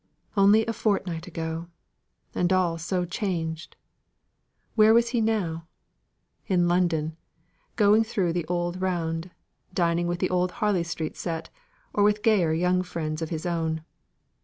Only a fortnight ago! And all so changed! Where was he now? In London, going through the old round; dining with the old Harley Street set, or with gayer young friends of his own.